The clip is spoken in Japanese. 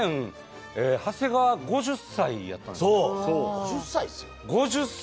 長谷川、５０歳やったんですか。